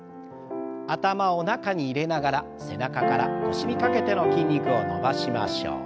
頭を中に入れながら背中から腰にかけての筋肉を伸ばしましょう。